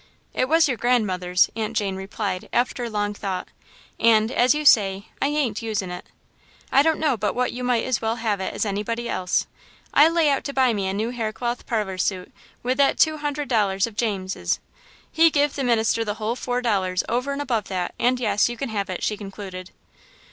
"It was your grandmother's," Aunt Jane replied after long thought, "and, as you say, I ain't usin' it. I don't know but what you might as well have it as anybody else. I lay out to buy me a new haircloth parlour suit with that two hundred dollars of James's he give the minister the hull four dollars over and above that and yes, you can have it," she concluded.